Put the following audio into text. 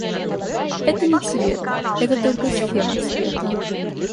Это не цвет, это только схема цвета.